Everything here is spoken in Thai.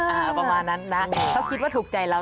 ประมาณนั้นนะเขาคิดว่าถูกใจเรา